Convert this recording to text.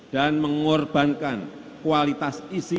dan mengorbankan kualitas isi